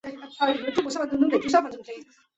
殿试登进士第三甲第一百七十一名。